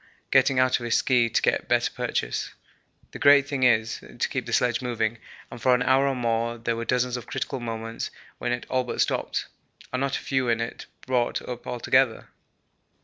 getting out of his ski to get better purchase. The great thing is to keep the sledge moving, and for an hour or more there were dozens of critical moments when it all but stopped, and not a few in it brought up altogether.